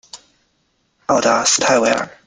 奥达斯泰韦尔。